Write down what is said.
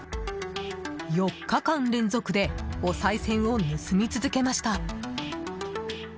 ４日間連続でおさい銭を盗み続けました。